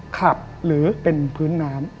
ขับหรือเป็นพื้นน้ำ